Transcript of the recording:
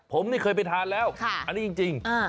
ผมนี่เคยไปทานแล้วอันนี้จริง